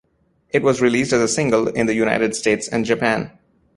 It was released as a single in the United States and Japan.